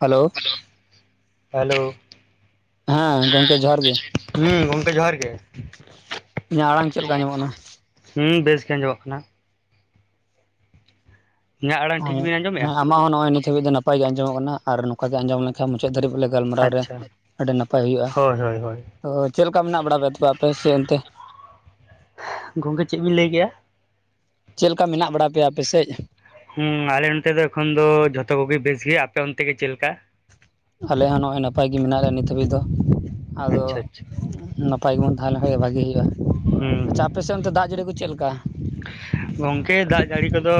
Hello hello ᱦᱮᱸ ᱜᱚᱝᱠᱮ ᱡᱚᱦᱟᱨ ᱜᱮ, ᱦᱩᱸ ᱜᱚᱝᱠᱮ ᱡᱚᱦᱟᱨ ᱜᱮ ᱤᱧᱟᱹᱜ ᱟᱲᱟᱝ ᱪᱮᱫ ᱞᱮᱠᱟ ᱧᱟᱢᱚᱜ ᱠᱟᱱᱟ? ᱦᱮᱸ ᱵᱮᱥ ᱜᱮ ᱟᱸᱡᱚᱢ ᱚᱜ ᱠᱟᱱᱟ ᱾ ᱤᱧᱟᱹᱜ ᱟᱲᱟᱝ ᱴᱷᱤᱠ ᱵᱤᱱ ᱟᱸᱡᱚᱢᱮᱜᱼᱟ ᱦᱮᱸ ᱟᱢᱟᱜ ᱦᱚᱸ ᱱᱚᱜ-ᱚᱭ ᱱᱤᱛ ᱦᱟᱹᱵᱤᱡ ᱫᱚ ᱱᱟᱯᱟᱭ ᱜᱮ ᱟᱸᱡᱚᱢᱚᱜ ᱠᱟᱱᱟ ᱾ ᱟᱨ ᱱᱚᱝᱠᱟ ᱜᱮ ᱟᱸᱡᱚᱢ ᱞᱮᱠᱷᱟᱱ ᱢᱩᱪᱟᱹᱫ ᱫᱷᱟᱵᱤᱡ ᱵᱚᱞᱮ, ᱜᱟᱞᱢᱟᱨᱟᱣ ᱨᱮ ᱟᱪᱪᱷᱟ ᱟᱹᱰᱤ ᱱᱟᱯᱟᱭ ᱦᱳᱭᱳᱜᱼᱟ, ᱦᱳᱭ ᱦᱳᱭ ᱦᱳᱭ ᱛᱚ ᱪᱮᱫ ᱞᱮᱠᱟ ᱢᱮᱱᱟᱜ ᱵᱟᱲᱟ ᱯᱮᱭᱟ ᱛᱮ ᱟᱯᱮ ᱥᱮ ᱚᱱᱛᱮ? ᱜᱚᱝᱠᱮ ᱪᱮᱫ ᱵᱤᱱ ᱞᱟᱹᱭ ᱠᱮᱜᱼᱟ? ᱪᱮᱫ ᱞᱮᱠᱟ ᱢᱮᱱᱟᱜ ᱵᱟᱲᱟ ᱯᱮᱭᱟ ᱟᱯᱮ ᱥᱮᱫ ᱾ ᱦᱮᱸ ᱟᱞᱮ ᱱᱚᱛᱮ ᱫᱚ ᱮᱠᱷᱚᱱ ᱫᱚ ᱡᱷᱚᱛᱚ ᱠᱚᱜᱮ ᱵᱮᱥ ᱜᱮᱭᱟ, ᱟᱯᱮ ᱚᱱᱛᱮ ᱜᱮ ᱪᱮᱫ ᱞᱮᱠᱟ? ᱟᱞᱮ ᱦᱚᱸ ᱱᱚᱜᱼᱚᱭ ᱱᱟᱯᱟᱭ ᱜᱮ ᱢᱮᱱᱟᱜ ᱞᱮᱭᱟ ᱱᱤᱛ ᱦᱟᱹᱵᱤᱡ ᱫᱚ, ᱟᱫᱚ ᱟᱪᱪᱷᱟ ᱟᱪᱪᱷᱟ ᱱᱟᱯᱟᱭ ᱵᱚᱱ ᱛᱟᱦᱮᱸ ᱞᱮᱱ ᱠᱷᱟᱡ ᱜᱮ ᱵᱷᱟᱜᱮ ᱦᱳᱭᱳᱜᱼᱟ, ᱟᱪᱪᱷᱟ ᱦᱩᱸ ᱟᱯᱮ ᱥᱮᱫ ᱚᱱᱛᱮ ᱫᱟᱜ ᱡᱟᱹᱲᱤ ᱠᱚ ᱪᱮᱫ ᱞᱮᱠᱟ? ᱜᱚᱝᱠᱮ ᱫᱟᱜ ᱡᱟᱹᱲᱤ ᱠᱚᱫᱚ,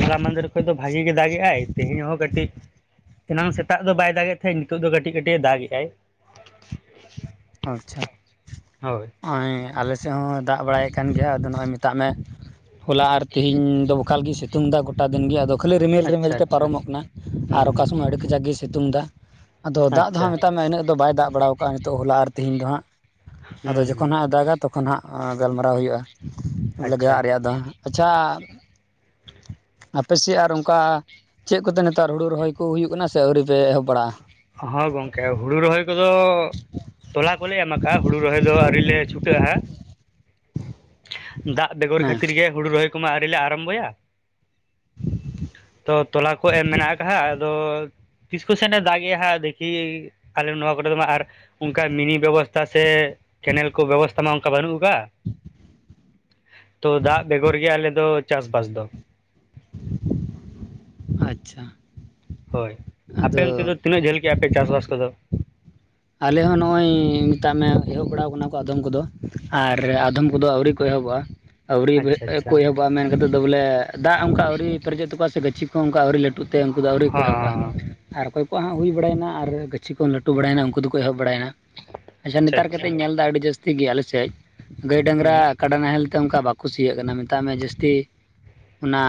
ᱦᱚᱞᱟ ᱢᱟᱫᱮᱨ ᱠᱷᱚᱱ ᱫᱚ ᱵᱷᱟᱜᱮ ᱜᱮ ᱫᱟᱜ ᱜᱮᱜᱟᱭ, ᱛᱮᱦᱮᱧ ᱦᱚᱸ ᱠᱟᱹᱴᱤᱡ ᱮᱱᱟᱝ ᱥᱮᱛᱟᱜ ᱫᱚ ᱵᱟᱭ ᱫᱟᱜ ᱮᱫ ᱛᱟᱦᱮᱸᱫ ᱱᱤᱛᱚᱜ ᱫᱚ ᱠᱟᱹᱴᱤᱡ ᱠᱟᱹᱴᱤᱡ ᱫᱟᱜ ᱮᱜᱟᱭ ᱾ ᱚ ᱟᱪᱪᱷᱟ, [unintelligible] ᱟᱞᱮ ᱥᱮᱫ ᱦᱚᱸ ᱫᱟᱜ ᱵᱟᱲᱟᱭᱮᱫ ᱠᱟᱱ ᱜᱮᱭᱟ, ᱟᱫᱚ ᱱᱚᱜᱼᱚᱭ ᱢᱮᱛᱟᱜ ᱢᱮ, ᱦᱚᱞᱟ ᱟᱨ ᱛᱤᱦᱤᱧ ᱫᱚ [unintelligible] ᱥᱤᱛᱩᱝ ᱫᱟ ᱜᱚᱴᱟ ᱫᱤᱱ ᱜᱮ, ᱟᱫᱚ ᱠᱷᱟᱹᱞᱤ ᱨᱤᱢᱤᱞ ᱨᱤᱢᱤᱞ ᱟᱪᱪᱷᱟ ᱛᱮ ᱟᱪᱪᱷᱟ ᱯᱟᱨᱚᱢᱚᱜ ᱠᱟᱱᱟ, ᱦᱩᱸ ᱟᱨ ᱚᱠᱟ ᱥᱚᱢᱚᱭ ᱟᱹᱰᱤ ᱠᱟᱡᱟᱠ ᱜᱮ ᱥᱤᱛᱩᱝ ᱫᱟ ᱟᱫᱚ ᱫᱟᱜ ᱫᱚ ᱟᱪᱪᱷᱟ ᱦᱟᱸᱜ ᱢᱮᱛᱟᱜ ᱢᱮ ᱤᱱᱟᱹᱜ ᱫᱚ ᱵᱟᱭ ᱫᱟᱜ ᱵᱟᱲᱟᱣ ᱱᱤᱛᱚᱜ ᱦᱚᱞᱟ ᱟᱨ ᱛᱤᱦᱤᱧ ᱫᱚ ᱦᱟᱸᱜ ᱾ ᱟᱫᱚ ᱦᱩᱸ ᱡᱚᱠᱷᱚᱱ ᱦᱟᱸᱜ ᱮ ᱫᱟᱜ-ᱟ ᱛᱚᱠᱷᱚᱱ ᱦᱟᱸᱜ ᱜᱟᱞᱢᱟᱨᱟᱣ ᱦᱳᱭᱳᱜᱼᱟ, ᱟᱪᱪᱷᱟ ᱜᱟᱭᱟᱜ ᱨᱮᱭᱟᱜ ᱫᱚ ᱟᱪᱪᱷᱟ ᱟᱯᱮ ᱥᱮᱫ ᱟᱨ ᱚᱱᱠᱟ ᱪᱮᱫ ᱠᱚᱛᱮ ᱱᱮᱛᱟᱨ ᱦᱩᱲᱩ ᱨᱚᱦᱚᱭ ᱠᱚ ᱦᱩᱭᱩᱜ ᱠᱟᱱᱟ, ᱥᱮ ᱟᱹᱣᱨᱤ ᱯᱮ ᱮᱦᱚᱵ ᱵᱟᱲᱟᱜᱼᱟ? ᱦᱮ ᱜᱚᱝᱠᱮ ᱦᱩᱲᱩ ᱨᱚᱦᱚᱭ ᱠᱚᱫᱚ, ᱛᱚᱞᱟ ᱠᱚᱞᱮ ᱮᱢ ᱠᱟᱜᱼᱟ, ᱦᱩᱲᱩ ᱨᱚᱦᱚᱭ ᱫᱚ ᱟᱹᱣᱨᱤ ᱞᱮ ᱪᱷᱩᱴᱟᱹᱜᱼᱟ ᱾ ᱫᱟᱜ ᱵᱮᱜᱚᱨ ᱦᱮᱸ ᱠᱷᱟᱹᱛᱤᱨ ᱜᱮ ᱦᱩᱲᱩ ᱨᱚᱦᱚᱭ ᱠᱚᱢᱟ ᱟᱹᱣᱨᱤ ᱞᱮ ᱟᱨᱟᱢ ᱵᱚᱭᱟ ᱾ ᱛᱚ ᱛᱚᱞᱟ ᱠᱚ ᱮᱢ ᱢᱮᱱᱟᱜ ᱟᱠᱟᱜᱟ, ᱟᱫᱚ ᱛᱤᱥ ᱠᱚ ᱥᱮᱱ ᱮ ᱫᱟᱜ ᱮᱜᱟ ᱦᱟᱸᱜ ᱫᱮ ᱠᱷᱤ ᱟᱞᱮ ᱱᱚᱣᱟ ᱠᱚᱨᱮ ᱫᱚ ᱢᱟ ᱟᱨ ᱚᱱᱠᱟ ᱢᱤᱱᱤ ᱵᱮᱵᱚᱥᱛᱟ ᱥᱮ ᱠᱮᱱᱮᱞ ᱠᱚ ᱵᱮᱵᱚᱥᱛᱟ ᱢᱟ ᱚᱱᱠᱟ ᱵᱟᱹᱱᱩᱜ ᱟᱠᱟᱫᱼᱟ ᱾ ᱛᱚ ᱫᱟᱜ ᱵᱮᱜᱚᱨ ᱜᱮ ᱟᱞᱮ ᱫᱚ ᱪᱟᱥᱼᱵᱟᱥ ᱫᱚ ᱾ ᱟᱪᱪᱷᱟ ᱦᱳᱭ ᱟᱯᱮ ᱟᱫᱚ ᱚᱱᱛᱮ ᱫᱚ ᱛᱤᱱᱟᱹᱜ ᱡᱷᱟᱹᱞ ᱠᱮᱜᱼᱟ ᱯᱮ ᱪᱟᱥ ᱵᱟᱥ ᱠᱚᱫᱚ? ᱟᱞᱮ ᱦᱚᱸ ᱱᱚᱜᱼᱚᱭ ᱢᱮᱛᱟᱜ ᱢᱮ ᱮᱦᱚᱵ ᱵᱟᱲᱟᱣ ᱟᱠᱟᱱᱟ ᱠᱚ ᱟᱫᱚᱢ ᱠᱚᱫᱚ ᱾ ᱟᱨ ᱟᱫᱚᱢ ᱠᱚᱫᱚ ᱟᱹᱣᱨᱤ ᱠᱚ ᱮᱦᱚᱵᱚᱜᱼᱟ ᱾ ᱟᱹᱣᱨᱤ ᱟᱪᱪᱷᱟ ᱠᱚ ᱟᱪᱪᱷᱟ ᱮᱦᱚᱵᱚᱜᱼᱟ ᱢᱮᱱ ᱠᱟᱛᱮᱫ ᱫᱚ ᱵᱚᱞᱮ, ᱫᱟᱜ ᱚᱱᱠᱟ ᱟᱹᱣᱨᱤ ᱯᱨᱮᱡ ᱚᱜ ᱛᱚᱠᱚᱣᱟ ᱥᱮ, ᱜᱟᱪᱷᱤ ᱠᱚ ᱦᱚᱸ ᱚᱱᱠᱟ ᱟᱹᱣᱨᱤ ᱞᱟᱹᱴᱩ ᱛᱮ ᱩᱱᱠᱩ ᱫᱚ ᱟᱹᱣᱨᱤ ᱠᱚ ᱮᱦᱚᱵᱼᱟ, ᱦᱚᱸ ᱟᱨ ᱚᱠᱚᱭ ᱠᱚᱣᱟᱜ ᱦᱟᱸᱜ ᱦᱩᱭ ᱵᱟᱲᱟᱭ ᱱᱟ, ᱟᱨ ᱜᱟᱹᱪᱷᱤ ᱠᱚ ᱞᱟᱹᱴᱩ ᱵᱟᱲᱟᱭ ᱱᱟ, ᱩᱱᱠᱩ ᱩᱱᱠᱩ ᱫᱚᱠᱚ ᱮᱦᱚᱵ ᱵᱟᱲᱟᱭ ᱱᱟ, ᱟᱪᱪᱷᱟ ᱱᱮᱛᱟᱨ ᱠᱟᱛᱮᱧ ᱧᱮᱞ ᱮᱫᱟ ᱟᱹᱰᱤ ᱡᱟᱹᱥᱛᱤ ᱜᱮ ᱟᱞᱮ ᱥᱮᱫ ᱜᱟᱹᱭ ᱦᱩᱸ ᱰᱟᱝᱨᱟ ᱠᱟᱰᱟ ᱱᱟᱦᱮᱞ ᱛᱮ ᱚᱱᱠᱟ ᱵᱟᱠᱚ ᱥᱤᱭᱟᱹᱜ ᱠᱟᱱᱟ ᱢᱮᱛᱟᱜ ᱢᱮ ᱡᱟᱹᱥᱛᱤ ᱚᱱᱟ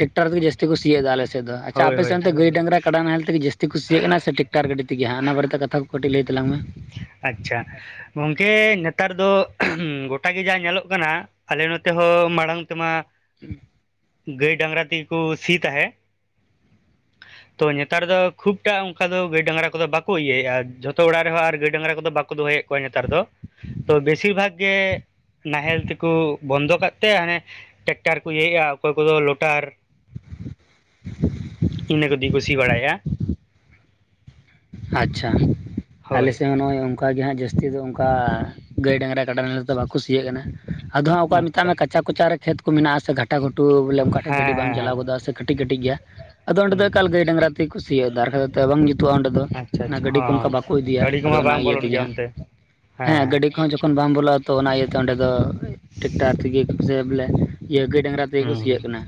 ᱴᱮᱠᱴᱟᱨ ᱛᱮᱜᱮ ᱡᱟᱹᱥᱛᱤ ᱠᱚ ᱥᱤᱭ ᱮᱫᱟ ᱟᱞᱮ ᱥᱮᱫ ᱫᱚ, ᱟᱪᱪᱷᱟ ᱦᱳᱭ ᱟᱯᱮ ᱦᱳᱭ ᱥᱮᱱ ᱛᱮ ᱜᱟᱹᱭ ᱰᱟᱝᱨᱟ ᱠᱟᱰᱟ ᱱᱟᱦᱮᱞ ᱛᱮᱜᱮ ᱡᱟᱹᱥᱛᱤ ᱠᱚ ᱥᱤᱭᱟᱜ ᱠᱟᱱᱟ, ᱥᱮ ᱴᱮᱠᱴᱟᱨ ᱜᱟᱹᱰᱤ ᱛᱮᱜᱮ ᱦᱟᱸᱜ ᱚᱱᱟ ᱵᱟᱨᱮ ᱛᱮ ᱠᱟᱛᱷᱟ ᱠᱚ ᱠᱟᱹᱴᱤᱡ ᱞᱟᱹᱭ ᱛᱟᱞᱟᱝ ᱢᱮ? ᱟᱪᱪᱷᱟ ᱜᱚᱝᱠᱮ ᱱᱮᱛᱟᱨ ᱫᱚ, ᱜᱚᱴᱟ ᱜᱮ ᱡᱟ ᱧᱮᱞᱚᱜ ᱠᱟᱱᱟ ᱾ ᱟᱞᱮ ᱱᱚᱛᱮ ᱦᱚᱸ ᱢᱟᱲᱟᱝ ᱛᱮᱢᱟ, ᱜᱟᱹᱭ ᱰᱟᱝᱨᱟ ᱛᱤ ᱠᱚ ᱥᱤ ᱛᱟᱦᱮᱫ, ᱛᱚ ᱱᱮᱛᱟᱨ ᱫᱚ ᱠᱷᱩᱵ ᱴᱟ ᱚᱱᱠᱟ ᱫᱚ ᱜᱟᱹᱭ ᱰᱟᱝᱨᱟ ᱠᱚᱫᱚ ᱵᱟᱠᱚ ᱤᱭᱟᱹᱭ ᱮᱜᱼᱟ, ᱡᱷᱚᱛᱚ ᱚᱲᱟᱜ ᱨᱮᱦᱚᱸ ᱟᱨ ᱜᱟᱹᱭ ᱰᱟᱝᱨᱟ ᱠᱚᱫᱚ ᱵᱟᱠᱚ ᱫᱚᱦᱚᱭᱮᱫ ᱠᱚᱣᱟ ᱱᱮᱛᱟᱨ ᱫᱚ, ᱛᱚ ᱵᱮᱥᱤᱨ ᱵᱷᱟᱜᱽ ᱜᱮ ᱱᱟᱦᱮᱞ ᱛᱮᱠᱚ ᱵᱚᱱᱫᱚ ᱠᱟᱜ ᱛᱮ ᱦᱟᱱᱮ ᱴᱮᱠᱴᱟᱨ ᱠᱚ ᱤᱭᱟᱹᱭᱮᱜᱼᱟ, ᱚᱠᱚᱭ ᱠᱚᱫᱚ ᱞᱚᱴᱟᱨ, ᱤᱱᱟᱹ ᱠᱚᱫᱚ ᱛᱮᱠᱚ ᱥᱤ ᱵᱟᱲᱟᱭᱟ ᱾ ᱟᱪᱪᱷᱟ, ᱟᱞᱮ ᱦᱳᱭ ᱥᱮᱫ ᱦᱚᱸ ᱱᱚᱜᱼᱚᱭ ᱚᱱᱠᱟ ᱜᱮ ᱦᱟᱸᱜ ᱡᱟᱹᱥᱛᱤ ᱫᱚ ᱚᱱᱠᱟ ᱜᱟᱹᱭ ᱰᱟᱝᱨᱟ ᱠᱟᱰᱟ ᱱᱟᱦᱮᱞ ᱫᱚ ᱵᱟ ᱠᱚ ᱥᱤᱭᱟᱜ ᱠᱟᱱᱟ ᱾ ᱟᱫᱚ ᱦᱟᱸᱜ ᱚᱠᱚᱭ ᱢᱮᱛᱟᱜ ᱟᱪᱪᱷᱟ ᱢᱮ ᱦᱮᱸ ᱠᱟᱪᱟ ᱠᱚᱪᱟ ᱨᱮ ᱠᱷᱮᱛ ᱠᱚ ᱢᱮᱱᱟᱜᱼᱟ ᱥᱮ ᱜᱷᱟᱴᱟ ᱜᱷᱩᱴᱩ ᱵᱚᱞᱮ ᱚᱱᱠᱟ ᱴᱷᱮᱱ ᱜᱟᱹᱰᱤ ᱵᱟᱝ ᱦᱮᱸ ᱦᱮᱸ ᱪᱟᱞᱟᱣ ᱜᱚᱫᱚᱜᱼᱟ, ᱥᱮ ᱠᱟᱹᱴᱤᱡ ᱠᱟᱹᱴᱤᱡ ᱜᱮᱭᱟ ᱾ ᱟᱫᱚ ᱚᱸᱰᱮ ᱫᱚ ᱦᱩᱸ ᱮᱠᱟᱞ ᱜᱟᱹᱭ ᱰᱟᱝᱨᱟ ᱛᱮ ᱠᱚ ᱥᱤᱭᱟ [unintelligible] ᱵᱟᱝ ᱡᱩᱛᱩᱜᱼᱟ ᱚᱸᱰᱮ ᱫᱚ ᱟᱪᱪᱷᱟ ᱚᱱᱟ ᱟᱪᱪᱷᱟ ᱜᱟᱹᱰᱤ ᱠᱚ ᱚᱱᱠᱟ ᱦᱚᱸ ᱵᱟᱠᱚ ᱤᱫᱤᱭᱟ ᱜᱟᱹᱰᱤ ᱠᱚᱢᱟ ᱟᱫᱚ ᱚᱱᱟ ᱵᱟᱝ ᱤᱭᱟᱹ ᱵᱚᱞᱚᱱ ᱛᱮᱜᱮ ᱜᱮᱭᱟ ᱦᱟᱸᱜ ᱚᱱᱛᱮ ᱦᱮᱸ ᱜᱟᱹᱰᱤ ᱠᱚᱦᱚᱸ ᱛᱚᱠᱷᱚᱱ ᱵᱟᱢ ᱵᱚᱞᱚᱜᱼᱟ ᱛᱚ ᱚᱱᱟ ᱤᱭᱟᱹᱛᱮ ᱚᱸᱰᱮ ᱫᱚ ᱴᱮᱠᱴᱟᱨ ᱛᱮᱜᱮ ᱥᱮ ᱵᱚᱞᱮ ᱤᱭᱟᱹ ᱜᱟᱹᱭ ᱰᱟᱝᱨᱟ ᱛᱮᱜᱮ ᱦᱮᱸ ᱠᱚ ᱦᱩᱸ ᱥᱤᱭᱟᱹᱜ ᱦᱩᱸ ᱠᱟᱱᱟ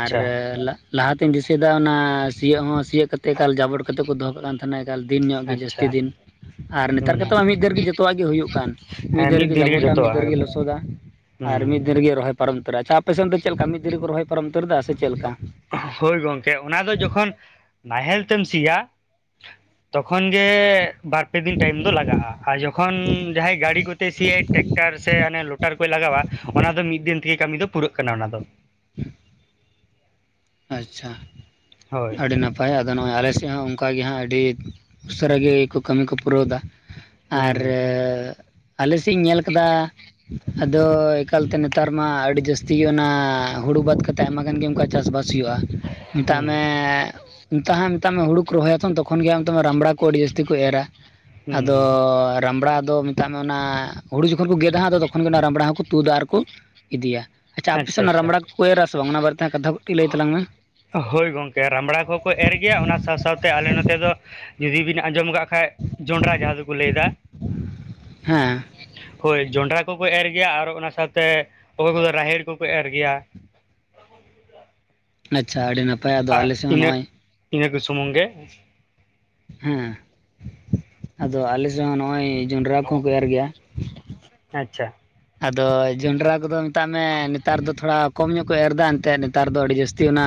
ᱟᱨ [unintelligible] ᱞᱟᱦᱟᱛᱮᱧ ᱫᱤᱥᱟᱹᱭᱮᱫᱟ ᱚᱱᱟ ᱥᱤᱭᱳᱜ ᱦᱚᱸ ᱥᱤᱭᱳᱜ ᱠᱟᱛᱮᱫ ᱮᱠᱟᱞ ᱡᱟᱵᱚᱲ ᱠᱟᱛᱮ ᱠᱚ ᱫᱚᱦᱚ ᱠᱟᱜ ᱠᱟᱱ ᱛᱟᱦᱮᱱᱟ᱾ ᱮᱠᱟᱞ ᱫᱤᱱ ᱧᱚᱜ ᱜᱮ ᱡᱟᱹᱥᱛᱤ ᱟᱪᱪᱷᱟ ᱫᱤᱱ᱾ ᱟᱨ ᱱᱮᱛᱟᱨ ᱠᱟᱛᱮᱫ ᱦᱩᱸ ᱢᱟ ᱢᱤᱫ ᱫᱷᱟᱹᱣ ᱨᱮᱜᱮ ᱡᱚᱛᱚᱣᱟᱜ ᱜᱮ ᱦᱩᱭᱩᱜ ᱠᱟᱱ ᱢᱤᱫ ᱦᱮᱸ ᱫᱷᱟᱹᱣ ᱨᱮᱜᱮ ᱫᱤᱱ ᱡᱟᱵᱚᱲᱟ ᱢᱤᱫ ᱡᱚᱛᱚᱣᱟᱜ ᱫᱷᱟᱹᱣ ᱨᱮ ᱜᱮ ᱮᱠᱫᱚᱢ᱾ ᱞᱚᱥᱚᱫᱟ᱾ ᱟᱨ ᱢᱤᱫ ᱫᱤᱱ ᱦᱩᱸ ᱨᱮᱜᱮ ᱨᱚᱦᱚᱭ ᱯᱟᱨᱚᱢ ᱩᱛᱟᱹᱨᱫᱟ ᱟᱨ ᱟᱯᱮᱥᱮᱫ ᱫᱚ ᱪᱮᱫ ᱞᱮᱠᱟ ᱢᱤᱫ ᱫᱤᱱ ᱨᱮᱠᱚ ᱨᱚᱦᱚᱭ ᱯᱟᱨᱚᱢ ᱩᱛᱟᱹᱨᱮᱫᱟ ᱥᱮ ᱪᱮᱫ ᱞᱮᱠᱟ? ᱦᱳᱭ ᱜᱚᱢᱠᱮ ᱚᱱᱟ ᱫᱚ ᱡᱚᱠᱷᱚᱱ ᱱᱟᱦᱮᱞ ᱛᱮᱢ ᱥᱤᱭᱟ ᱛᱚᱠᱷᱚᱱ ᱜᱮ ᱵᱟᱨᱯᱮ ᱫᱤᱱ ᱴᱟᱭᱤᱢ ᱫᱚ ᱞᱟᱜᱟᱜᱼᱟ ᱟᱨ ᱡᱚᱠᱷᱚᱱ ᱡᱟᱦᱟᱸᱭ ᱜᱟᱹᱲᱤ ᱠᱚᱛᱮ ᱥᱮᱭᱟᱭ ᱴᱮᱠᱴᱟᱨ ᱥᱮ ᱦᱟᱱᱮ ᱞᱚ [unintelligible] ᱞᱟᱜᱟᱣᱟ ᱚᱱᱟ ᱫᱚ ᱢᱤᱫ ᱫᱤᱱ ᱛᱮᱜᱮ ᱠᱟᱹᱢᱤ ᱫᱚ ᱯᱩᱨᱟᱹᱜ ᱠᱟᱱᱟ ᱚᱱᱟ ᱫᱚ᱾ ᱟᱪᱪᱷᱟ ᱦᱳᱭ ᱟᱹᱰᱤ ᱱᱟᱯ ᱱᱟᱯᱟᱭ ᱟᱫᱚ ᱱᱚᱜᱼᱚᱭ ᱟᱞᱮᱥᱮᱫ ᱦᱚᱸ ᱚᱱᱠᱟ ᱜᱮ ᱦᱟᱸᱜ ᱟᱹᱰᱤ ᱩᱥᱟᱹᱨᱟ ᱜᱮ ᱠᱟᱹᱢᱤ ᱠᱚ ᱯᱩᱨᱟᱹᱣᱮᱫᱟ ᱟᱨ ᱦᱩᱸ ᱟᱞᱮ ᱥᱮᱫ ᱤᱧ ᱧᱮᱞ ᱠᱟᱫᱟ ᱟᱫᱚ ᱮᱠᱟᱞ ᱛᱮ ᱱᱮᱛᱟᱨ ᱢᱟ ᱟᱹᱰᱤ ᱡᱟᱹᱥᱛᱤ ᱚᱱᱟ ᱦᱩᱲᱩ ᱵᱟᱫ ᱠᱟᱛᱮᱫ ᱟᱭᱢᱟ ᱜᱟᱱ ᱜᱮ ᱚᱱᱠᱟ ᱪᱟᱥ ᱵᱟᱥ [unintelligible] ᱢᱮᱛᱟᱜ ᱦᱩᱸ ᱢᱮ᱾ [unintelligible] ᱢᱮ ᱦᱩᱲᱩ ᱠᱚ ᱨᱚᱦᱚᱭᱟ ᱛᱚ ᱛᱚᱠᱷᱚᱱ ᱜᱮ ᱢᱮᱛᱟᱢᱟ ᱨᱟᱢᱵᱽᱲᱟ ᱠᱚ ᱟᱹᱰᱤ ᱡᱟᱹᱥᱛᱤ ᱠᱚ ᱮᱨᱟ᱾ ᱟᱫᱚ ᱦᱩᱸ ᱨᱟᱢᱲᱟ ᱫᱚ ᱢᱮᱛᱟᱜ ᱢᱮ ᱚᱱᱟ ᱦᱩᱲᱩ ᱡᱚᱠᱷᱚᱱ ᱠᱚ ᱜᱮᱫᱟᱼᱟ ᱛᱚᱠᱷᱚᱱ ᱜᱮ ᱚᱱᱟ ᱨᱟᱢᱵᱽᱲᱟ ᱦᱚᱸᱠᱚ ᱛᱩᱫᱟ ᱟᱨᱠᱚ ᱤᱫᱤᱭᱟ᱾ ᱟᱪᱪᱷᱟ ᱟᱯᱮ ᱥᱮᱱ ᱚᱱᱟ ᱨᱟᱢᱵᱽᱲᱟ ᱠᱚ ᱠᱚ ᱮᱨᱟ ᱥᱮ ᱵᱟᱝ ᱚᱱᱟ ᱵᱟᱨᱮ ᱛᱮ ᱠᱟᱛᱷᱟ ᱠᱟᱹᱴᱤᱡ ᱞᱟᱹᱭ ᱛᱟᱞᱟᱝ ᱢᱮ᱾ ᱦᱳᱭ ᱜᱚᱝᱠᱮ ᱨᱟᱢᱲᱟ ᱠᱚ ᱠᱚ ᱮᱨ ᱜᱮᱭᱟ ᱚᱱᱟ ᱥᱟᱶ ᱥᱟᱶᱛᱮ ᱟᱞᱮ ᱱᱚᱛᱮ ᱫᱚ ᱡᱩᱫᱤ ᱵᱤᱱ ᱟᱸᱡᱚᱢ ᱠᱟᱜ ᱠᱷᱟᱱ ᱦᱮᱸ ᱡᱚᱸᱰᱨᱟ ᱡᱟᱦᱟᱸ ᱫᱚᱠᱚ ᱞᱟᱹᱭᱫᱟ ᱦᱮᱸ ᱦᱳᱭ ᱡᱚᱱᱰᱨᱟ ᱠᱚᱠᱚ ᱮᱨ ᱜᱮᱭᱟ ᱟᱨ ᱚᱱᱟ ᱥᱟᱶᱛᱮ ᱚᱠᱚᱭ ᱠᱚᱫᱚ ᱨᱟᱦᱮᱲ ᱠᱚᱠᱚ ᱮᱨ ᱜᱮᱭᱟ᱾ ᱟᱪᱪᱷᱟ ᱟᱹᱰᱤ ᱱᱟᱯᱟᱭ ᱟᱫᱚ ᱟᱨ ᱟᱞᱮᱥᱮᱫ ᱦᱚᱸ ᱤᱱᱟᱹᱜ ᱱᱚᱜᱼᱚᱭ ᱤᱱᱟᱹ ᱠᱚ ᱥᱩᱢᱩᱝ ᱜᱮ ᱦᱮᱸ ᱟᱫᱚ ᱟᱞᱮᱥᱮᱫ ᱦᱚᱸ ᱱᱚᱜᱼᱚᱭ ᱡᱚᱱᱰᱨᱟ ᱠᱚᱦᱚᱸ ᱠᱚ ᱮᱨ ᱜᱮᱭᱟ᱾ ᱟᱪᱪᱷᱟ᱾ ᱟᱫᱚ ᱡᱚᱱᱰᱨᱟ ᱠᱚᱫᱚ ᱢᱮᱛᱟᱜ ᱢᱮ ᱱᱮᱛᱟᱨ ᱫᱚ ᱛᱷᱚᱲᱟ ᱠᱚᱢ ᱧᱚᱜ ᱠᱚ ᱮᱨ ᱮᱫᱟ ᱮᱱᱛᱮᱫ᱾ ᱱᱮᱛᱟᱨ ᱫᱚ ᱟᱹᱰᱤ ᱡᱟᱹᱥᱛᱤ ᱚᱱᱟ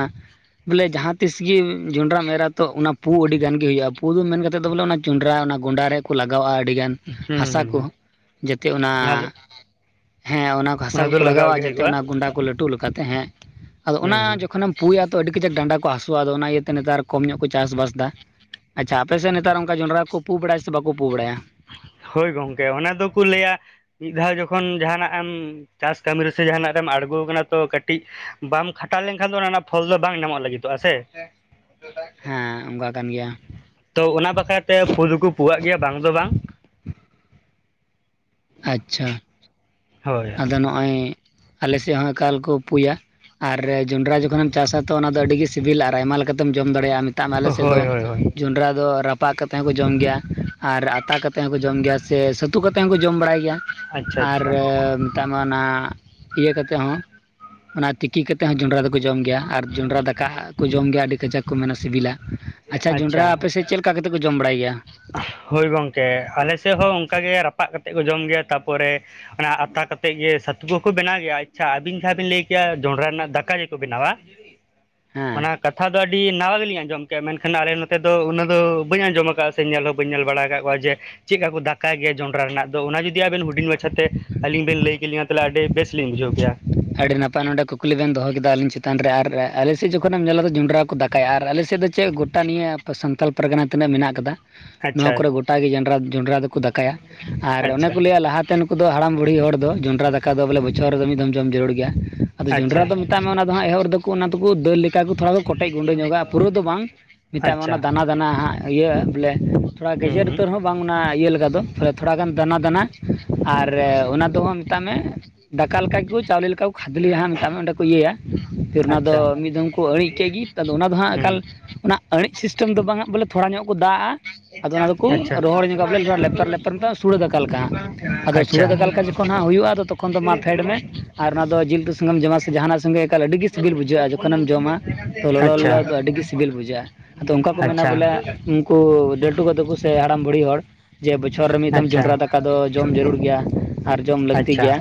ᱵᱚᱞᱮ ᱡᱟᱦᱟᱸ ᱛᱤᱥ ᱜᱮ ᱡᱚᱱᱰᱟᱢ ᱮᱨᱟ ᱛᱚ ᱚᱱᱟ ᱯᱩ ᱟᱹᱰᱤ ᱜᱟᱱ ᱜᱮ ᱦᱳᱭᱳᱜᱼᱟ ᱯᱩ ᱫᱚ ᱢᱮᱱ ᱠᱟᱛᱮᱫ ᱫᱚ ᱵᱚᱞᱮ ᱡᱚᱸᱰᱨᱟ ᱚᱱᱟ ᱜᱚᱰᱟ ᱨᱮᱠᱚ ᱞᱟᱜᱟᱣ-ᱟᱜ ᱟ ᱟᱹᱰᱤ ᱜᱟᱱ ᱦᱩᱸ ᱦᱟᱥᱟ ᱦᱩᱸ ᱠᱚ ᱦᱩᱸ ᱡᱟᱛᱮ ᱚᱱᱟ ᱦᱮᱸ ᱚᱱᱟ ᱦᱟᱸᱥᱟ ᱫᱚ ᱠᱚᱠᱚ ᱞᱟᱜᱟᱣ ᱜᱮ ᱟᱜᱼᱟ ᱡᱟᱛᱮ ᱦᱩᱭᱩᱜᱼᱟ ᱚᱱᱟ ᱜᱩᱱᱰᱟ ᱠᱚ ᱞᱟᱹᱴᱩ ᱞᱮᱠᱟᱛᱮ ᱛᱟᱸᱦᱮᱜ ᱟᱫᱚ ᱚᱱᱟ ᱦᱩᱸ ᱦᱩᱸ ᱡᱚᱠᱷᱚᱱᱮᱢ ᱯᱩᱭᱟᱛᱚ ᱟᱹᱰᱤ ᱠᱟᱡᱟᱠ ᱰᱟᱸᱰᱟ ᱠᱚ ᱦᱟᱹᱥᱩᱼᱟ ᱟᱫᱚ ᱚᱱᱟ ᱤᱭᱟᱹᱛᱮ ᱱᱮᱛᱟᱨ ᱠᱚᱢ ᱧᱚᱜ ᱠᱚ ᱪᱟᱥ ᱵᱟᱥ ᱫᱟ᱾ ᱟᱪᱪᱷᱟ ᱟᱯᱮ ᱥᱮᱫ ᱱᱮᱛᱟᱨ ᱚᱱᱠᱟ ᱡᱚᱱᱰᱨᱟ ᱠᱚ ᱯᱩ ᱵᱟᱲᱟᱭᱟ ᱥᱮ ᱵᱟᱠᱚ ᱯᱩ ᱵᱟᱲᱟᱭᱟ᱾ ᱦᱳᱭ ᱜᱚᱢᱠᱮ ᱚᱱᱟ ᱫᱚᱠᱚ ᱞᱟᱹᱭᱟ ᱢᱤᱫ ᱫᱷᱟᱣ ᱡᱚᱠᱷᱚᱱ ᱡᱟᱦᱟᱱᱟᱜ ᱮᱢ ᱪᱟᱥ ᱠᱟᱹᱢᱤ ᱨᱮᱥᱮ ᱡᱟᱦᱟᱱᱟᱜ ᱨᱮᱢ ᱟᱬᱜᱚ ᱟᱠᱟᱱᱟ ᱛᱚ ᱠᱟᱹᱴᱤᱡ ᱵᱟᱢ ᱠᱷᱟᱴᱟᱣ ᱞᱮᱱᱠᱷᱟᱱ ᱫᱚ ᱚᱱᱟ ᱨᱮᱱᱟᱜ ᱯᱷᱚᱞ ᱫᱚ ᱵᱟᱝ ᱧᱟᱢᱚᱜ ᱞᱟᱹᱜᱤᱫᱚᱜᱼᱟ ᱥᱮ ᱦᱮᱸ ᱚᱱᱠᱟ ᱠᱟᱱ ᱜᱮᱭᱟ᱾ ᱛᱚ ᱚᱱᱟ ᱵᱟᱠᱷᱨᱟ ᱛᱮ ᱯᱷᱩ ᱫᱚᱠᱚ ᱯᱩ ᱟᱜ ᱜᱮᱭᱟ ᱵᱟᱝ ᱫᱚ ᱵᱟᱝ ᱟᱪᱪᱷᱟ ᱦᱳᱭ ᱟᱫᱚ ᱱᱚᱜᱼᱚᱭ ᱟᱞᱮ ᱥᱮᱫ ᱦᱚᱸ ᱮᱠᱟᱞ ᱠᱚ ᱯᱩᱭᱟ᱾ ᱟᱨ ᱡᱚᱱᱰᱨᱟ ᱡᱚᱠᱷᱚᱱᱮᱢ ᱪᱟᱥᱟ ᱛᱚ ᱚᱱᱟ ᱫᱚ ᱟᱹᱰᱤ ᱜᱮ ᱥᱤᱵᱤᱞᱟ ᱟᱨ ᱟᱭᱢᱟ ᱞᱮᱠᱟ ᱞᱮᱠᱟᱛᱮᱢ ᱡᱚᱢ ᱫᱟᱲᱮᱭᱟᱜᱼᱟ᱾ ᱢᱮᱛᱟᱜ ᱢᱮ ᱟᱞᱮ ᱥᱮᱫ ᱫᱚ᱾ ᱦᱳᱭ ᱦᱳᱭ ᱦᱳᱭ ᱡᱚᱸᱰᱨᱟ ᱫᱚ ᱨᱟᱯᱟᱜ ᱠᱟᱛᱮ ᱦᱚᱸᱠᱚ ᱡᱚᱢ ᱜᱮᱭᱟ ᱟᱨ ᱟᱛᱟ ᱠᱟᱛᱮ ᱦᱚᱸᱠᱚ ᱡᱚᱢ ᱜᱮᱭᱟ ᱥᱮ ᱪᱷᱟᱹᱛᱩ ᱠᱟᱛᱮ ᱦᱚᱸᱠᱚ ᱡᱚᱢ ᱵᱟᱲᱟᱭ ᱜᱮᱭᱟ᱾ ᱟᱪᱪᱷᱟ ᱟᱨ ᱟᱪᱪᱷᱟ ᱢᱮᱛᱟᱜ ᱢᱮ ᱚᱱᱟ ᱤᱭᱟᱹ ᱠᱟᱛᱮᱫ ᱦᱚ᱾ ᱚᱱᱟ ᱛᱤᱠᱤ ᱠᱟᱛᱮᱫ ᱦᱚᱸ ᱡᱚᱸᱰᱨᱟ ᱫᱚᱠᱚ ᱡᱚᱢ ᱜᱮᱭᱟ ᱟᱨ ᱡᱚᱱᱰᱨᱟ ᱫᱟᱠᱟ ᱠᱚ ᱡᱚᱢ ᱜᱮᱭᱟ ᱟᱹᱰᱤ ᱠᱟᱡᱟᱠ ᱠᱚ ᱢᱮᱱᱟ ᱥᱤᱵᱤᱞᱟ᱾ ᱟᱪᱪᱷᱟ ᱡᱚᱸᱰᱨᱟ ᱟᱯᱮ ᱥᱮᱫ ᱪᱮᱫ ᱞᱮᱠᱟ ᱠᱟ ᱠᱟᱛᱮᱫ ᱠᱚ ᱡᱚᱢ ᱵᱟᱲᱟᱭ ᱜᱮᱭᱟ? ᱦᱳᱭ ᱜᱚᱝᱠᱮ ᱟᱞᱮ ᱥᱮᱫ ᱦᱚᱸ ᱚᱱᱠᱟ ᱜᱮ ᱨᱟᱯᱟᱜ ᱠᱟᱛᱮᱜ ᱠᱚ ᱡᱚᱢ ᱜᱮᱭᱟ ᱛᱟᱯᱚᱨᱮ ᱚᱱᱟ ᱟᱛᱟ ᱠᱟᱛᱮᱫ ᱜᱮ ᱪᱟᱹᱛᱩ ᱠᱚᱠᱚ ᱵᱮᱱᱟᱣ ᱜᱮᱭᱟ ᱟᱪᱪᱷᱟ ᱟᱹᱵᱤᱱ ᱡᱟᱦᱟᱸ ᱵᱤᱱ ᱞᱟᱹᱭ ᱠᱮᱜᱼᱟ ᱡᱚᱸᱰᱨᱟ ᱨᱮᱱᱟᱜ ᱫᱟᱠᱟ ᱜᱮᱠᱚ ᱵᱮᱱᱟᱣᱟ᱾ [unintelligible] ᱦᱮᱸ ᱚᱱᱟ ᱠᱟᱛᱷᱟ ᱫᱚ ᱟᱹᱰᱤ ᱱᱟᱣᱟ ᱜᱮᱞᱤᱧ ᱟᱸᱡᱚᱢ ᱠᱮᱜᱼᱟ ᱢᱮᱱᱠᱷᱟᱱ ᱟᱞᱮ ᱱᱚᱛᱮ ᱫᱚ ᱩᱱᱟᱹᱜ ᱫᱚ ᱵᱟᱹᱧ ᱟᱸᱡᱚᱢ ᱟᱠᱟᱫᱼᱟ᱾ ᱧᱮᱞ ᱦᱚᱸ ᱵᱟᱹᱧ ᱧᱮᱞ ᱵᱟᱲᱟ ᱟᱠᱟᱫ ᱠᱚᱣᱟ ᱡᱮ ᱪᱮᱫ ᱞᱮᱠᱟ ᱠᱚ ᱫᱟᱠᱟ ᱜᱮᱭᱟ ᱡᱚᱸᱰᱨᱟ ᱨᱮᱱᱟᱜ ᱫᱚ ᱚᱱᱟ ᱡᱩᱫᱤ ᱟᱵᱮᱱ ᱦᱩᱰᱤᱧ ᱦᱩᱰᱤᱧ ᱢᱟᱪᱷᱟᱛᱮ ᱟᱹᱞᱤᱧ ᱵᱮᱱ ᱞᱟᱹᱭ ᱠᱤᱧᱟ ᱛᱟᱦᱚᱞᱮ ᱟᱹᱰᱤ ᱵᱮᱥᱞᱤᱧ ᱵᱩᱡᱟᱹᱣ ᱠᱮᱭᱟ᱾ ᱟᱹᱰᱤ ᱱᱟᱯᱟᱭ ᱱᱚᱰᱮ ᱠᱩᱠᱞᱤ ᱵᱮᱱ ᱫᱚᱦᱚ ᱠᱮᱫᱟ ᱟᱹᱞᱤᱧ ᱪᱮᱛᱟᱱ ᱨᱮ ᱟᱨ ᱟᱞᱮ ᱥᱮᱫ ᱡᱚᱠᱷᱚᱱᱮᱢ ᱧᱮᱞᱟ ᱫᱚ ᱡᱚᱸᱰᱨᱟ ᱠᱚ ᱫᱟᱠᱟᱭᱟ ᱟᱨ ᱟᱞᱮ ᱥᱮᱫ ᱫᱚᱼᱼ ᱪᱮᱫ ᱜᱚᱴᱟ ᱱᱤᱭᱟᱹ ᱥᱟᱱᱛᱟᱞ ᱯᱟᱨᱜᱟᱱᱟ ᱛᱤᱱᱟᱹᱜ ᱢᱮᱱᱟᱜ ᱟᱠᱟᱫᱟ᱾ ᱟᱪᱪᱷᱟ ᱱᱚᱣᱟ ᱠᱚᱨᱮ ᱜᱚᱴᱟ ᱜᱮ ᱡᱚᱱᱰᱨᱟ ᱡᱚᱸᱱᱰᱨᱟ ᱫᱚᱠᱚ ᱫᱟᱠᱟᱼᱼ ᱠᱟᱭᱟ ᱟᱨ ᱚᱱᱮ ᱟᱪᱪᱷᱟ ᱠᱚ ᱞᱟᱹᱭᱟ ᱞᱟᱦᱟᱛᱮ ᱱᱩᱠᱩ ᱫᱚ ᱦᱟᱲᱟᱢ ᱵᱩᱲᱦᱤ ᱦᱚᱲ ᱫᱚ, ᱡᱚᱸᱱᱰᱨᱟ ᱫᱟᱠᱟ ᱫᱚ ᱵᱚᱞᱮ ᱵᱚᱪᱷᱚᱨ ᱨᱮ ᱢᱤᱫ ᱫᱷᱚᱢᱼᱼ ᱡᱚᱢ ᱡᱟᱹᱨᱩᱲ ᱜᱮᱭᱟ᱾ ᱟᱫᱚ ᱟᱪᱪᱷᱟ ᱡᱚᱸᱱᱰᱨᱟ ᱫᱚ ᱢᱮᱛᱟᱜ ᱢᱮ ᱚᱱᱟ ᱫᱚ ᱦᱟᱸᱜ ᱮᱦᱚᱵ ᱨᱮ ᱫᱚᱠᱚ ᱚᱱᱟ ᱫᱚᱠᱚ ᱫᱟᱹᱞᱼᱼ ᱠᱟ ᱜᱩ ᱛᱷᱚᱲᱟ ᱠᱚ ᱠᱚᱴᱮᱡ ᱜᱩᱰᱟᱹ ᱧᱚᱜᱚᱜᱼᱟ ᱯᱩᱨᱟᱹ ᱫᱚ ᱵᱟᱝ, ᱢᱮᱛᱟᱜ ᱢᱮ ᱟᱪᱪᱷᱟ ᱚᱱᱟ ᱫᱟᱱᱟ ᱫᱟᱱᱟ ᱦᱟᱸᱜ ᱤᱭᱟᱹ ᱵᱚᱞᱮᱼᱼ ᱛᱷᱚᱲᱟ ᱦᱩᱸ ᱜᱮᱡᱮᱨ ᱦᱩᱸ ᱩᱛᱟᱹᱨ ᱦᱚᱸ ᱵᱟᱝ ᱚᱱᱟ ᱤᱭᱟᱹ ᱞᱮᱠᱟ ᱫᱚ, ᱛᱚᱞᱮ ᱛᱷᱚᱲᱟᱜᱟᱱ ᱫᱟᱱᱟ ᱫᱟᱱᱟ ᱟᱨ ᱟᱪᱪᱷᱟ ᱚᱱᱟ ᱫᱚᱦᱚᱼᱼ ᱢᱮᱛᱟᱜ ᱢᱮ ᱫᱟᱠᱟ ᱞᱮᱠᱟ ᱜᱮᱠᱚ ᱪᱟᱣᱞᱮ ᱞᱮᱠᱟ ᱠᱚ ᱠᱷᱟᱫᱽᱞᱮ ᱡᱟᱦᱟᱸ ᱢᱮᱛᱟᱜ ᱢᱮ ᱚᱸᱰᱮ ᱠᱚ ᱤᱭᱟᱹᱭᱟ᱾ ᱯᱷᱤᱨ ᱚᱱᱟ ᱫᱚ ᱟᱪᱪᱷᱟ ᱢᱤᱫ ᱫᱷᱢ ᱠᱚ ᱟᱹᱬᱤᱡ ᱠᱮᱫ ᱜᱮ ᱟᱫᱚ ᱚᱱᱟ ᱫᱚ ᱦᱟᱸᱜ ᱦᱩᱸ ᱮᱠᱟᱞ ᱚᱱᱟᱼᱼ ᱟᱹᱬᱤᱡ ᱥᱤᱥᱴᱮᱢ ᱫᱚ ᱵᱟᱝᱜ ᱵᱚᱞᱮ ᱛᱷᱚᱲᱟ ᱧᱚᱜ ᱠᱚ ᱫᱟᱜᱼᱟᱼᱼ ᱟᱫᱚ ᱚᱱᱟ ᱫᱚᱠᱚ ᱨᱚᱦᱚᱲ ᱧᱚᱜᱟ ᱵᱚᱞᱮ ᱞᱮᱯᱮᱨ ᱞᱮᱯᱮᱨ ᱥᱩᱲᱟᱹ ᱫᱟᱠᱟ ᱞᱮᱠᱟ ᱦᱟᱸᱜ ᱟᱫᱚ ᱥᱩᱲᱟᱹ ᱫᱟᱠᱟ ᱞᱮᱠᱟ ᱡᱚᱠᱷ ᱼᱼ ᱛᱚᱠᱷᱚᱱ ᱦᱟᱸᱜ ᱦᱩᱭᱩᱜᱼᱟ᱾ ᱟ ᱛᱚᱠᱷᱚᱱ ᱫᱚ ᱢᱟ ᱯᱷᱮᱰ ᱢᱮ, ᱟᱨ ᱚᱱᱟ ᱫᱚ ᱡᱤᱞ ᱩᱛᱩ ᱥᱚᱸᱜᱮᱢ ᱡᱚᱢᱟ ᱥᱮ ᱡᱟᱦᱟᱱᱟᱜ ᱥᱚᱸᱜᱮ ᱮᱠᱟᱞ ᱟᱹᱰᱤ ᱜᱮ ᱥᱤᱵᱤᱞ ᱵᱩᱡᱷᱟᱹᱜᱼᱟ ᱡᱚᱠᱷᱚᱱᱮᱢ ᱡᱚᱢᱟ ᱛᱚ ᱟᱪᱪᱷᱟ ᱞᱚᱞᱚ ᱫᱚ ᱟᱹᱰᱤ ᱜᱮ ᱥᱤᱵᱤᱞ ᱵᱩᱡᱷᱟᱹᱜᱼᱟ᱾ ᱟᱫᱚ ᱚᱱᱠᱟ ᱠᱚ ᱢᱮᱱᱟ ᱵᱚᱞᱮ ᱩᱱᱠᱩ [unintelligible] ᱠᱟ ᱛᱟ ᱠᱚ ᱥᱮ ᱦᱟᱲᱟᱢ ᱵᱩᱲᱦᱤ ᱦᱚᱲ᱾ ᱡᱮ ᱵᱚᱪᱷᱚᱨ ᱨᱮ ᱢᱤᱫ ᱫᱚᱢ ᱟᱪᱪᱷᱟ ᱡᱚᱸᱰᱨᱟ ᱫᱟᱠᱟ ᱫᱚ ᱡᱚᱢ ᱡᱟᱹᱨᱩᱲ ᱜᱮᱭᱟ ᱟᱨ ᱡᱚᱢ ᱞᱟᱹᱠᱛᱤ ᱟᱪᱪᱷᱟ ᱜᱮᱭᱟ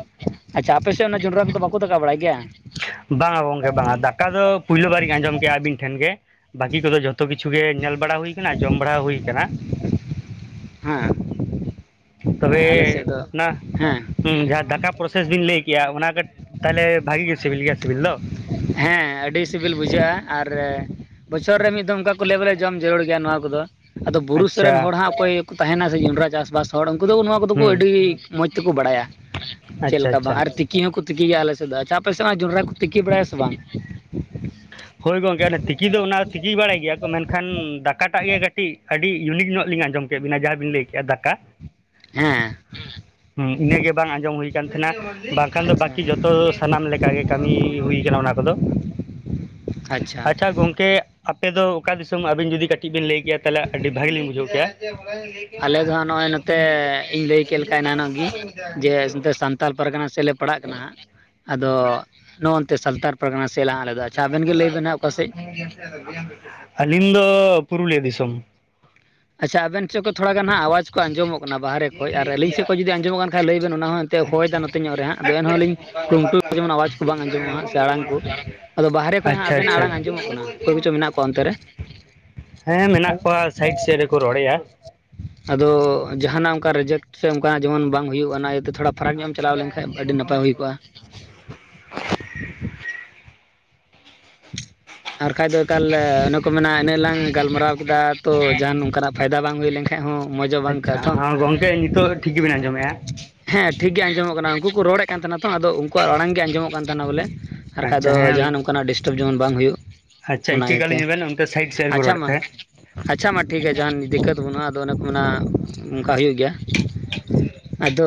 ᱟᱪᱪᱷᱟ ᱟᱯᱮ ᱥᱮᱫ [inaudible] ᱚᱱᱟ ᱡᱚᱸᱰᱨᱟ ᱠᱚᱫᱚ ᱵᱟᱠᱚ ᱫᱟᱠᱟ ᱵᱟᱲᱟᱭ ᱜᱮᱭᱟ? ᱵᱟᱝᱟ ᱜᱚᱝᱠᱮ ᱵᱟᱝᱟ ᱫᱟᱠᱟ ᱫᱚ ᱯᱳᱭᱞᱳ ᱵᱟᱨᱤᱧ ᱟᱸᱡᱚᱢ ᱠᱮᱫᱼᱟ᱾ ᱟᱹᱵᱤᱱ ᱴᱷᱮᱱ ᱜᱮ, ᱵᱟᱹᱤ ᱠᱚᱫᱚ ᱡᱚᱛᱚᱼᱼ ᱡᱚᱛᱚ ᱠᱤᱪᱷᱩ ᱜᱮ ᱧᱮᱞ ᱵᱟᱲᱟ ᱦᱩᱭ ᱟᱠᱟᱱᱟ, ᱡᱚᱢ ᱵᱟᱲᱟ ᱦᱩᱭ ᱟᱠᱟᱱᱟ᱾ ᱦᱮᱸ ᱾ ᱛᱚᱵᱮ ᱚᱱᱟ ᱦᱮᱸ ᱡᱟᱦᱟᱸ ᱫᱟᱠᱟ ᱯᱨᱚᱥᱮᱥ ᱵᱤᱱ ᱞᱟᱹᱭ ᱠᱮᱫᱼᱟ ᱚᱱᱟ ᱠᱟᱹᱴᱤᱡᱼᱼ ᱛᱟᱦᱞᱮ ᱵᱷᱟᱹᱜᱤ ᱜᱮ ᱥᱤᱵᱤᱞ ᱜᱮᱭᱟ ᱥᱤᱵᱤᱞ ᱫᱚ? ᱦᱮᱸ ᱟᱹᱰᱤ ᱥᱤᱵᱤᱞ ᱵᱩᱡᱷᱟᱹᱜᱼᱟ ᱟᱨ ᱵᱚᱪᱷᱚᱨ ᱨᱮ ᱢᱤᱫ ᱫᱷᱚᱢ ᱚᱱᱠᱟᱼᱼ ᱞᱮᱵᱮᱞᱮ ᱡᱚᱢ ᱡᱟᱹᱨᱩᱲ ᱜᱮᱭᱟ ᱱᱚᱣᱟ ᱠᱚᱫᱚ ᱟᱫᱚ ᱵᱩᱨᱩ ᱥᱩᱨ ᱟᱪᱪᱷᱟ ᱨᱮᱱ ᱦᱚᱲ ᱦᱟᱸᱜ ᱚᱠᱚᱭ ᱠᱚ ᱛᱟᱦᱮᱱᱟ ᱥᱮ ᱡᱚᱸᱱᱰᱨᱟ ᱪᱟᱥᱵᱟᱥᱼᱼ ᱦᱚᱲ ᱩᱱᱠᱩ ᱫᱚ ᱱᱚᱣᱟ ᱠᱚᱫᱚ ᱠᱚ ᱦᱩᱸ ᱟᱹᱰᱤ ᱢᱚᱡᱽ ᱛᱮᱠᱚ ᱵᱟᱲᱟᱭᱟ᱾ ᱪᱮᱫ ᱟᱪᱪᱷᱟ ᱞᱮᱠᱟ ᱵᱟᱝ ᱟᱪᱪᱷᱟ ᱟᱨ ᱛᱤᱠᱤ ᱦᱚᱸᱠᱚᱼᱼ ᱛᱤᱠᱤ ᱜᱮᱭᱟ ᱟᱞᱮ ᱥᱮᱫ ᱟᱪᱪᱷᱟ ᱟᱯᱮ ᱥᱮᱫ ᱡᱚᱸᱱᱰᱨᱟ ᱠᱚ ᱛᱤᱠᱤ ᱵᱟᱲᱟᱭᱟ ᱥᱮ ᱵᱟᱝ? ᱦᱳᱭ ᱜᱚᱝᱠᱮ ᱚᱱᱟ ᱛᱤᱠᱤ ᱫᱚ ᱚᱱᱟ ᱫᱚ ᱛᱤᱠᱤᱭ ᱵᱟᱲᱟᱭ ᱜᱮᱭᱟ ᱠᱚ ᱢᱮᱱᱠᱷᱟᱱ ᱫᱟᱠᱟᱴᱟᱜ ᱜᱮ ᱠᱟᱹᱴᱤᱡᱼᱼ ᱟᱹᱰᱤ ᱤᱭᱩᱱᱤᱠ ᱧᱚᱜ ᱞᱤᱧ ᱟᱸᱡᱚᱢ ᱠᱮᱫ ᱵᱤᱱᱟ᱾ ᱡᱟᱦᱟᱸ ᱵᱤᱱ ᱞᱟᱹᱭ ᱠᱮᱫᱼᱟ ᱫᱟᱠᱟ᱾ ᱦᱮᱸ᱾ ᱤᱱᱟᱹᱜᱮ ᱵᱟᱝ ᱟᱸᱡᱚᱢ ᱦᱩᱭ ᱠᱟᱱ ᱛᱟᱦᱮᱱᱟ, ᱵᱟᱝᱠᱷᱟᱱ ᱫᱚ ᱟᱪᱪᱷᱟ ᱵᱟᱹᱠᱤ ᱡᱚᱛᱚ ᱥᱟᱱᱟᱢ ᱞᱮᱠᱟᱜᱮ ᱠᱟᱱᱟ ᱠᱩᱞᱤ ᱦᱩᱭ ᱠᱟᱱᱟ ᱚᱱᱟ ᱠᱚᱫᱚ, ᱟᱪᱪᱷᱟ ᱜᱚᱢᱠᱼᱼ ᱟᱯᱮ ᱫᱚ ᱚᱠᱟ ᱫᱤᱥᱚᱢ? ᱟᱹᱵᱤᱱ ᱡᱩᱫᱤ ᱠᱟᱹᱴᱤᱡ ᱵᱤᱱ ᱞᱟᱹᱭ ᱠᱮᱭᱟ ᱛᱟᱦᱚᱞᱮ ᱟᱹᱰᱤ ᱵᱷᱟᱹᱜᱤ ᱞᱤᱧ ᱵᱩᱡᱷᱟᱹᱣ ᱠᱮᱭᱟ᱾ ᱟᱞᱮ ᱫᱚ ᱦᱟᱸᱜ ᱱᱚᱜᱼᱚᱭ ᱱᱚᱛᱮ ᱤᱧ ᱞᱟᱹᱭ ᱠᱮᱫ ᱞᱮᱠᱟ ᱮᱱᱟᱱᱚᱜ ᱜᱮ, ᱡᱮ ᱱᱚᱛᱮ ᱥᱟᱱᱛᱟᱲ ᱯᱟᱨᱜᱟᱱᱟ ᱥᱮᱞᱮᱼᱼ ᱯᱟᱲᱟᱜ ᱠᱟᱱᱟ ᱦᱟᱸᱜ᱾ ᱟᱫᱚ ᱱᱚᱜᱼ ᱱᱚᱱᱛᱮ ᱥᱟᱞᱛᱟᱲ ᱯᱟᱨᱜᱟᱱᱟ ᱥᱮᱫ ᱞᱟᱦ ᱟᱞᱮᱫ ᱫᱚ ᱟᱪᱪᱷᱟ ᱟᱵᱮᱱ ᱜᱮ ᱞᱟᱹᱭᱵᱱ ᱦᱟᱸᱜ ᱚᱠᱟᱥᱮᱫ? ᱟᱹᱞᱤᱧ ᱫᱚ ᱯᱩᱨᱩᱞᱤᱭᱟᱹ ᱫᱤᱥᱚᱢ᱾ ᱟᱪᱪᱷᱟ ᱟᱵᱮᱱ ᱥᱮᱫ ᱠᱷᱚᱱ ᱛᱷᱚᱲᱟᱜᱟᱱᱟᱸᱜ ᱟᱣᱟᱡ ᱠᱚ ᱟᱸᱡᱚᱢᱚᱜ ᱚᱱᱟ ᱵᱟᱦᱨᱮ ᱠᱷᱚᱡ ᱟᱨ ᱟᱹᱞᱤᱧ ᱥᱮᱫ ᱠᱷᱚᱱ ᱡᱩᱫᱤ ᱟᱸᱡᱚᱢᱚᱜ ᱠᱷᱟᱱ ᱞᱟᱹᱭ ᱵᱮᱱ ᱚᱱᱟ ᱦᱚᱸ ᱮᱱᱛᱮ ᱦᱚᱭ ᱱᱚᱛᱮ ᱧᱚᱜ ᱨᱮ ᱦᱟᱸᱜ ᱟᱫᱚ ᱱᱦᱚᱸᱞᱤᱧᱼᱼ ᱠᱷᱩᱢᱴᱩ [inaudible] ᱡᱮᱢᱚᱱ ᱟᱣᱟᱡᱽ ᱠᱚ ᱵᱟᱝ ᱟᱸᱡᱚᱢᱚᱜᱼᱟ ᱦᱟᱸᱜ ᱥᱮ ᱟᱲᱟᱝ ᱠᱚ ᱾ ᱟᱫᱚ ᱵᱟᱦᱨᱮ ᱠᱷᱚᱡ ᱦᱟᱸᱜ ᱟᱪᱪᱷᱟ ᱟᱵᱮᱱᱟᱼᱜ ᱟᱪᱪᱷᱟ ᱟᱲᱟᱝ ᱟᱸᱡᱚᱢᱚᱜ ᱠᱟᱱᱟ ᱚᱠᱚᱭ ᱠᱚᱪᱚ ᱢᱮᱱᱟᱜ ᱠᱚᱣᱟ ᱚᱱᱛᱮ ᱨᱮ᱾ [unintelligible] ᱠᱚ ᱨᱚᱲᱮᱭᱟ᱾ ᱟᱫᱚ ᱡᱟᱦᱟᱱᱟᱜ ᱚᱱᱠᱟ ᱨᱮᱡᱮᱠᱴ ᱥᱮ ᱚᱱᱠᱟᱱᱟᱜ ᱡᱮᱢᱚᱱ ᱵᱟᱝ ᱦᱩᱭᱩᱜᱼᱟ ᱚᱱᱟ ᱤᱭᱟᱹᱛᱮ ᱛᱷᱚᱲᱟᱼᱼ ᱯᱷᱟᱨᱟᱠ ᱧᱚᱜ ᱮᱢ ᱪᱟᱞᱟᱣ ᱞᱮᱱᱠᱷᱟᱡ ᱟᱹᱰᱤ ᱱᱟᱯᱟᱭ ᱦᱩᱭ ᱠᱚᱜᱼᱟ ᱾ ᱟᱨ ᱠᱷᱟᱡ ᱫᱚ ᱮᱠᱟᱞ ᱚᱱᱮ ᱠᱚ ᱢᱮᱱᱟ ᱤᱱᱟᱹᱜ ᱞᱟᱝ ᱜᱟᱞᱢᱟᱨᱟᱣ ᱠᱮᱫᱟ, ᱛᱚ ᱡᱟᱦᱟ ᱱᱚᱝᱠᱟᱱᱟᱜ ᱯᱷᱟᱭᱫᱟ ᱵᱟᱝ ᱦᱩᱭ ᱞᱮᱱᱠᱷᱟᱱ᱾ ᱟᱪᱪᱷᱟ ᱦ ᱜᱚᱝᱠᱮ ᱱᱤᱛᱚᱜ ᱴᱷᱤᱠ ᱜᱮᱵᱤᱱ ᱟᱸᱡᱚᱢᱮᱫᱼᱟ? ᱦᱮᱸ ᱴᱷᱤᱠ ᱜᱮ ᱟᱸᱡᱚᱢᱚᱜ ᱠᱟᱱᱟ ᱩᱱᱠᱩ ᱨᱚᱲᱮᱫ ᱼᱼ ᱠᱟᱱ ᱛᱟᱦᱮᱱᱟ ᱛᱚ ᱟᱫᱚ ᱩᱱᱠᱩᱣᱟᱜ ᱟᱲᱟᱝ ᱜᱮ ᱟᱸᱡᱚᱢᱚᱜ ᱠᱟᱱ ᱛᱟᱦᱮᱱᱟ ᱵᱚᱞᱮ, ᱟᱨ ᱵᱟᱠᱷᱟᱡ ᱟᱪᱪᱷᱟ ᱫᱚ ᱡᱟᱦ ᱦᱮᱸ ᱱᱚᱝᱠᱟᱱᱟᱜ ᱰᱤᱥᱴᱟᱵᱽ ᱡᱮᱢᱚᱱ ᱵᱟᱝ ᱦᱩᱭᱩᱜ᱾ ᱟᱪᱪᱷᱟ ᱚᱱᱟ ᱤᱠᱟᱹ ᱤᱭᱟᱹᱛᱮ ᱠᱟᱞᱤᱧ ᱵᱮᱱ ᱚᱱᱛᱮ ᱥᱟᱭᱤᱴ ᱥᱮᱫ ᱠᱚ ᱟᱪᱪᱷᱟ ᱨᱚᱲᱮᱫ ᱢᱟ ᱛᱟᱦᱮᱸ᱾ ᱟᱪᱪᱷᱟ ᱢᱟ ᱴᱷᱤᱠ ᱜᱮᱭᱟ ᱡᱟᱦᱟᱱ ᱫᱤᱠᱠᱳᱛ ᱵᱟᱹᱱᱩᱜᱼᱟ ᱟᱫᱚ ᱚᱱᱮ ᱠᱚ ᱚᱱᱠᱟ ᱦᱩᱭᱩᱜ ᱜᱮᱭᱟ ᱾ [unintelligible] ᱟᱫᱚ,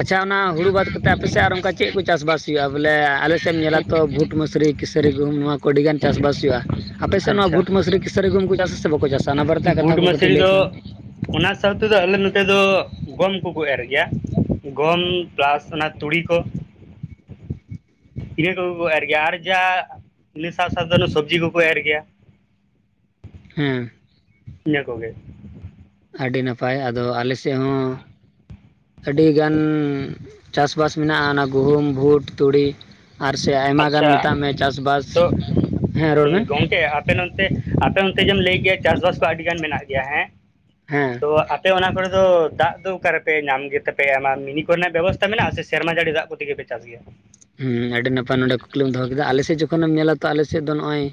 ᱟᱪᱪᱷᱟ, ᱚᱱᱟ ᱦᱩᱲᱩ ᱵᱟᱫᱽ ᱠᱟᱛ ᱟᱯᱮᱥᱮᱫ ᱟᱨ ᱚᱱᱠᱟ ᱪᱮᱫ ᱠᱚ ᱪᱟᱥ ᱵᱟᱥ ᱦᱩᱭᱩᱜᱼᱟ ᱵᱚᱞᱮ ᱟᱞᱮᱥᱮᱫ ᱮᱢ ᱧᱮᱞᱟ ᱛᱚ ᱵᱷᱩᱴ, ᱢᱟᱹᱥᱨᱤ, ᱠᱟᱹᱥᱟᱹᱨᱤ ᱜᱩᱦᱩᱢ ᱱᱚᱣᱟ ᱠᱚ ᱟᱰᱤ ᱜᱟᱱ ᱪᱟᱥᱵᱟᱥ ᱦᱩᱭᱩᱜᱼᱟ, ᱟᱯᱮ ᱥᱮᱫ ᱱᱚᱣᱟ ᱟᱪᱪᱷᱟ ᱵᱷᱩᱴ ᱢᱟᱥᱨᱤ ᱠᱟᱹᱥᱟᱹᱨᱤ ᱜᱩᱦᱩᱢ ᱠᱚ ᱪᱟᱥᱟ ᱥᱮ ᱵᱟᱠᱚ ᱪᱟᱥᱟ ᱚᱱᱟ ᱵᱟᱨᱮᱛᱮ ᱠᱟᱛᱷᱟ ᱠᱚ ᱠᱟᱹᱴᱤᱡ ᱞᱟᱹᱭ ᱛᱟᱞᱟᱝ ᱢᱮ ᱥᱟᱶᱛᱮᱫᱚ ᱟᱞᱮ ᱱᱚᱛᱮ ᱫᱚ ᱜᱚᱢ ᱠᱚᱠᱚ ᱮᱨ ᱜᱮᱭᱟ ᱜᱚᱢ ᱯᱮᱞᱟᱥ ᱚᱱᱟ ᱛᱩᱲᱤ ᱠᱚ ᱤᱱᱟᱹ ᱠᱚᱜᱮ ᱠᱚ ᱮᱨ ᱜᱮᱭᱟ ᱟᱨ ᱡᱟ ᱤᱱᱟᱹ ᱥᱟᱶ ᱥᱟᱶᱛᱮ ᱥᱚᱵᱽᱡᱤ ᱠᱚᱠᱚ ᱮᱨ ᱜᱮᱭᱟ ᱦᱮᱸ, ᱤᱱᱟᱹ ᱠᱚᱜᱮ᱾ ᱟᱹᱰᱤ ᱱᱟᱯᱟᱭ ᱟᱫᱚ ᱟᱞᱮ ᱥᱮᱜ ᱦᱚᱸ ᱟᱹᱰᱤ ᱜᱟᱱ ᱪᱟᱥᱼᱵᱟᱥ ᱢᱮᱱᱟᱜᱼᱟ ᱚᱱᱟ ᱜᱩᱦᱩᱢ, ᱵᱷᱩᱴ, ᱛᱩᱲᱤ, ᱟᱨ ᱥᱮ ᱟᱭᱢᱟ ᱜᱟᱱ ᱟᱪᱪᱷᱟ ᱢᱮᱛᱟᱜ ᱢᱮ ᱪᱟᱥᱵᱟᱥ ᱛᱚ ᱦᱮᱸ ᱨᱚᱲ ᱢᱮ, ᱜᱚᱝᱠᱮ ᱟᱯᱮ ᱱᱚᱱᱮ ᱟᱯᱮ ᱱᱚᱱᱛᱮ ᱡᱮᱢ ᱞᱟᱹᱭ ᱠᱮᱭᱟ ᱪᱟᱥᱵᱟᱥ ᱠᱚ ᱟᱹᱰᱤᱜᱟᱱ ᱢᱮᱱᱟᱜ ᱜᱮᱭᱟ ᱦᱮᱸ ᱦᱮᱸ ᱛᱚ ᱟᱯᱮ ᱚᱱᱟ ᱠᱚᱨᱮ ᱫᱚ ᱫᱟᱜ ᱫᱚ ᱚᱠᱟᱨᱮᱯᱮ ᱧᱟᱢ ᱜᱮᱛᱟᱯᱮ ᱟᱭᱢᱟ ᱢᱤᱱᱤ ᱠᱚᱨᱮᱱᱟᱜ ᱵᱮᱵᱚᱥᱛᱟ ᱢᱮᱱᱟᱜᱼᱟ ᱥᱮ ᱥᱮᱨᱢᱟ ᱡᱟᱹᱲᱤ ᱫᱟᱜ ᱠᱚᱛᱮᱜᱮᱯᱮ ᱪᱟᱥᱼᱟ? [unintelligible] ᱦᱩᱸ ᱟᱹᱰᱤ ᱱᱟᱯᱟᱭ ᱱᱚᱰᱮ ᱠᱩᱠᱞᱤᱢ ᱫᱚᱦᱚ ᱠᱮᱫᱟ ᱟᱞᱮᱥᱮᱫ ᱡᱚᱠᱷᱚᱱᱮᱢ ᱧᱮᱞᱟ ᱛᱚ ᱟᱞᱮᱥᱮᱫ ᱫᱚ ᱱᱚᱜᱼᱚᱭᱼᱼ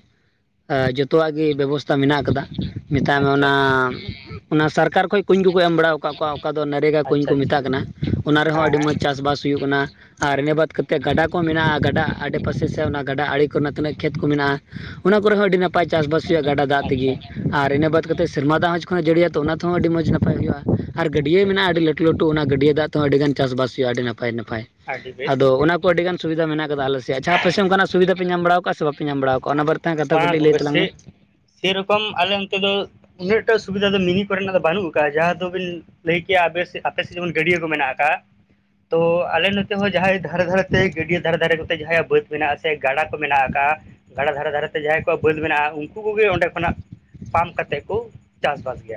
ᱮ ᱡᱚᱛᱚᱣᱟᱜ ᱜᱮ ᱵᱮᱵᱚᱥᱛᱷᱟ ᱢᱮᱱᱟᱜ ᱠᱟᱫᱟ ᱢᱮᱛᱟᱭ ᱢᱮ ᱟᱪᱪᱷᱟ ᱚᱱᱟ ᱚᱱᱟ ᱥᱚᱨᱠᱟᱨ ᱠᱷᱚᱡ ᱠᱩᱧ ᱠᱩᱠᱚ ᱮᱢ ᱵᱟᱲᱟ ᱠᱟᱜ ᱠᱚᱣᱟ, ᱚᱠᱟ ᱫᱚ ᱱᱟᱲᱤᱜᱟ ᱠᱩᱧ ᱟᱪᱪᱷᱟ ᱠᱚ ᱟᱪᱪᱷᱟ ᱢᱮᱛᱟᱜ ᱠᱟᱱᱟ ᱚᱱᱟ ᱨᱮᱦᱚᱸ ᱦᱮᱸ ᱟᱹᱰᱤ ᱦᱮᱸ ᱢᱚᱡᱽ ᱪᱟᱥᱵᱟᱥ ᱦᱩᱭᱩᱜ ᱠᱟᱱᱟ ᱟᱨ ᱮᱱᱟᱹ ᱵᱟᱫ ᱠᱟᱛᱮᱫ ᱛᱮ ᱜᱟᱰᱟ ᱠᱚ ᱢᱮᱱᱟᱜᱼᱟ ᱜᱟᱰᱟ ᱟᱰᱮᱯᱟᱥᱮ ᱥᱮ ᱚᱱᱟ ᱜᱟᱰᱟ ᱟᱲᱮ ᱠᱚᱨᱮᱱᱟᱜ ᱛᱤᱱᱟᱹᱜ ᱠᱷᱮᱛ ᱠᱚ ᱢᱮᱱᱟᱜᱼᱟ ᱚᱱᱟ ᱠᱚᱨᱮ ᱦᱚᱸ ᱟᱹᱰᱤ ᱱᱟᱯᱟᱭ, ᱱᱟᱯᱟᱭ ᱪᱟᱥᱵᱟᱥ ᱦᱩᱭᱩᱜᱼᱟ ᱜᱟᱰᱟ ᱫᱟᱜ ᱟᱪᱪᱷᱟ ᱛᱮᱜᱮ᱾ ᱟᱨ ᱤᱱᱟᱹ ᱵᱟᱫᱽ ᱠᱟᱛᱮ ᱥᱮᱨᱢᱟ ᱫᱟᱜ ᱦᱚᱸᱡᱽ ᱠᱷᱚᱱᱟᱜ ᱡᱟᱹᱲᱤᱭᱟ ᱛᱚ ᱚᱱᱟ ᱛᱮᱦᱚᱸ ᱟᱹᱰᱤ ᱢᱚᱡᱽ ᱱᱟᱯᱟᱭ ᱦᱩᱭᱩᱜᱼᱟ ᱟᱨ ᱜᱟᱹᱰᱭᱟᱹ ᱟᱪᱪᱷᱟ ᱢᱮᱱᱟᱜᱼᱟ ᱟᱪᱪᱷᱟ ᱟᱹᱰᱤ ᱞᱟᱹᱴᱩ ᱞᱟᱹᱴᱩ ᱚᱱᱟ ᱜᱟᱹᱰᱭᱟᱹ ᱫᱟᱜ ᱛᱚ ᱟᱹᱰᱤ ᱜᱟᱱ ᱪᱟᱥᱵᱟᱥ ᱦᱩᱭᱩᱜᱼᱟ ᱟᱹᱰᱤ ᱱᱟᱯᱟᱭ ᱱᱟᱯᱟᱭ, ᱟᱹᱰᱤ ᱵᱮᱥ ᱥᱩᱵᱤᱫᱟ ᱢᱮᱱᱟᱜ ᱟᱠᱟᱫᱟ ᱟᱞᱮᱥᱮᱫ ᱡᱟᱦᱟᱸ ᱟᱯᱮ ᱥᱮ ᱚᱱᱟᱜ ᱥᱩᱵᱷᱟ ᱯᱮ ᱧᱟᱢ ᱵᱟᱲᱟᱣ ᱥᱮ ᱵᱟᱯᱮ ᱧᱟᱢ ᱵᱟᱲᱟᱣ ᱚᱱᱟ ᱵᱟᱨᱛᱮ [unintelligible] ᱠᱟᱛᱷᱟ ᱵᱟᱝ ᱠᱚᱴᱤᱡ ᱞᱟᱹᱭ ᱜᱚᱝᱠᱮ ᱛᱟᱞᱟᱝ ᱢᱮ᱾ ᱥᱮ ᱥᱮᱨᱚᱠᱚᱢ ᱟᱞᱮ ᱚᱱᱛᱮ ᱫᱚ ᱩᱱᱟᱹᱜᱴᱟ ᱥᱩᱵᱤᱫᱷᱟ ᱫᱚ ᱢᱤᱱᱤ ᱠᱚᱨᱮᱱᱟᱜ ᱫᱚ ᱵᱟᱹᱱᱩᱜ ᱟᱠᱟᱜᱼᱟ ᱡᱟᱦᱟᱸ ᱫᱚᱵᱤᱱ ᱞᱟᱹᱭ ᱠᱮᱼᱟ ᱟᱯᱮ ᱟᱯᱮ ᱥᱮᱫ ᱡᱮᱢᱚᱱ ᱜᱟᱹᱰᱭᱟᱹ ᱠᱚ ᱢᱮᱱᱟᱜ ᱟᱠᱟᱫᱼᱟ ᱛᱚ ᱟᱞᱮ ᱱᱚᱛᱮ ᱦᱚᱸ ᱡᱟᱦᱟᱸᱭ ᱫᱷᱟᱨᱮ ᱫᱷᱟᱨᱮᱛᱮ ᱜᱟᱹᱰᱭᱟᱹ ᱫᱷᱟᱨᱮ ᱫᱷᱟᱨᱮ ᱱᱚᱛᱮ ᱡᱟᱦᱟᱸᱭᱟᱜ ᱵᱟᱹᱫᱽ ᱢᱮᱱᱟᱜᱼᱟ ᱥᱮ ᱜᱟᱰᱟ ᱠᱚ ᱢᱮᱱᱟᱜ ᱟᱠᱟᱜᱼᱟ ᱜᱟᱰᱟ ᱫᱷᱟᱨᱮ ᱫᱷᱟᱨᱮᱛᱮ ᱡᱟᱦᱟᱸᱭ ᱠᱚᱣᱟᱜ ᱵᱟᱹᱫᱽ ᱢᱮᱱᱟᱜᱼᱟ ᱩᱱᱠᱩ ᱠᱚᱜᱮ ᱚᱸᱰᱮ ᱠᱷᱚᱱᱟᱜ ᱯᱟᱢ ᱠᱟᱛᱮᱜ ᱠᱚ ᱪᱟᱥᱵᱟᱥ ᱜᱮᱭᱟ᱾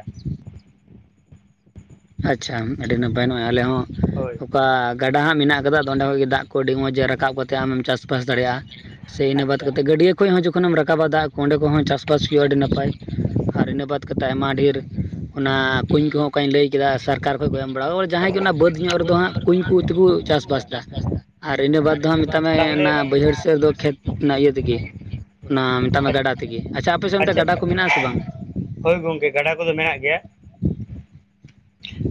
ᱟᱪᱪᱷᱟ ᱟᱹᱰᱤ ᱱᱟᱯᱟᱭ ᱱᱚᱼᱚᱭ ᱟᱞᱮ ᱦᱚᱸ, ᱦᱳᱭ, ᱜᱟᱰᱟ ᱦᱟᱸᱜ ᱢᱮᱱᱟᱜ ᱟᱠᱟᱫᱟ ᱚᱸᱰᱮ ᱠᱷᱚᱡ ᱜᱮ ᱫᱟᱜ ᱠᱚ ᱟᱹᱰᱤ ᱢᱚᱡᱽ ᱨᱟᱠᱟᱵ ᱠᱟᱛᱮ ᱟᱢᱮᱢ ᱪᱟᱥ ᱵᱟ ᱪᱟᱥᱵᱟᱥ ᱫᱟᱲᱮᱭᱟᱜᱼᱟ ᱥᱮ ᱤᱱᱟᱹ ᱵᱟᱫᱽ ᱟᱪᱪᱷᱟ ᱠᱟ ᱦᱩᱸ ᱠᱟᱛᱮᱫ ᱜᱟᱹᱰᱭᱟᱹ ᱠᱷᱚᱡ ᱦᱚᱸ ᱡᱚᱠᱷᱚᱱᱮᱢ ᱨᱟᱠᱟᱵᱟ ᱫᱟᱜ ᱚᱸᱰᱮ ᱠᱚ ᱦᱚᱸ ᱪᱟᱥᱵᱟᱥ ᱦᱩᱭᱩᱜᱼᱟ ᱟᱹᱰᱤ ᱱᱟᱯᱟᱭ, ᱟᱨ ᱤᱱᱟᱹ ᱵᱟᱫ ᱠᱟᱛᱮᱫ ᱟᱭᱢᱟ ᱰᱷᱮᱨ ᱚᱱᱟ ᱠᱩᱧ ᱠᱚᱦᱚᱸ ᱚᱠᱟᱧ ᱞᱟᱹᱭ ᱠᱮᱫᱟ ᱥᱚᱨᱠᱟᱨ ᱠᱷᱚᱡ ᱠᱚ ᱮᱢ ᱵᱟᱲᱟᱫᱟ ᱡᱟᱦᱟᱸᱭ ᱜᱮ ᱚᱱᱟ ᱵᱟᱹᱫ ᱧᱚᱜ ᱨᱮᱫᱚ ᱦᱟᱸᱜ ᱠᱩᱧ ᱠᱚ ᱛᱮᱠᱚ ᱪᱟᱥᱵᱟᱥ ᱟᱪᱪᱷᱟ ᱫᱟ ᱟᱨ ᱤᱱᱟᱹ ᱵᱟᱫᱽ ᱫᱚ ᱦᱟᱜ ᱢᱮᱛᱟᱜ ᱢᱮ ᱚᱱᱟ ᱵᱟᱹᱭᱦᱟᱹᱲ ᱥᱮᱫ ᱨᱮ ᱫᱚ ᱠᱷᱮᱛ ᱚᱱᱟ ᱤᱭᱟᱹ ᱛᱮᱜᱮ ᱚᱱᱟ ᱢᱮᱛᱟᱢ ᱢᱮ ᱜᱟᱰᱟ ᱛᱮᱜᱮ ᱟᱪᱪᱷᱟ ᱟᱯᱮ ᱥᱮᱫ ᱚᱱᱛᱮ ᱜᱟᱰᱟ ᱠᱚ ᱢᱮᱱᱟᱜ ᱟᱥᱮ ᱵᱟᱝ? ᱦᱳᱭ ᱜᱚᱝᱠᱮ ᱜᱟᱰᱟ ᱠᱚᱫᱚ ᱢᱮᱱᱟᱜ ᱜᱮᱭᱟ᱾